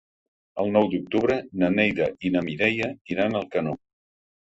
El nou d'octubre na Neida i na Mireia iran a Alcanó.